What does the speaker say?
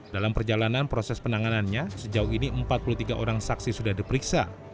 dalam perjalanan proses penanganannya sejauh ini empat puluh tiga orang saksi sudah diperiksa